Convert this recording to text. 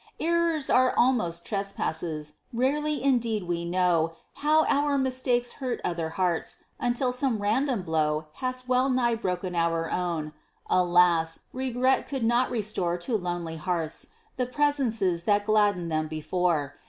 Errors are almost trespasses; rarely indeed we know How our mistakes hurt other hearts, until some random blow Has well nigh broken our own. Alas! regret could not restore To lonely hearths the presences that gladdened them before.